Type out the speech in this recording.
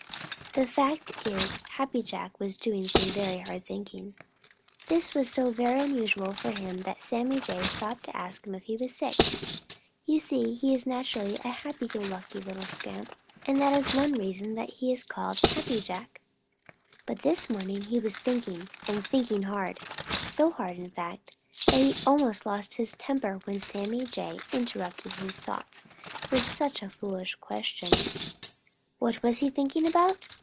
The fact is, Happy Jack was doing some very hard thinking. This is so very unusual for him that Sammy Jay stopped to ask if he was sick. You see he is naturally a happy go lucky little scamp, and that is one reason that he is called Happy Jack. But this morning he was thinking and thinking hard, so hard, in fact, that he almost lost his temper when Sammy Jay interrupted his thoughts with such a foolish question. What was he thinking about?